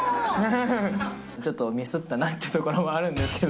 ちょっとミスったなっていうところもあるんですけど。